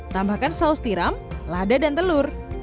tambahkan saus tiram lada dan telur